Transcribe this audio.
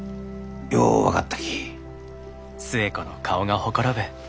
よう分かったき。